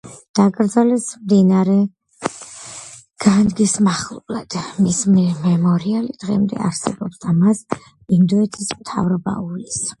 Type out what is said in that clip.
დაკრძალეს მდინარე განგის მახლობლად; მის მემორიალი დღემდე არსებობს და მას ინდოეთის მთავრობა უვლის.